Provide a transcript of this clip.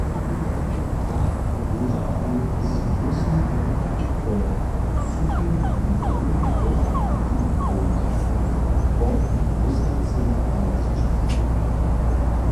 Tak móžachu z wóslikom po suchim na druhi bok rěki dóńć – po "wóslacym mosće".